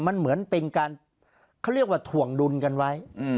มันเหมือนเป็นการเขาเรียกว่าถ่วงดุลกันไว้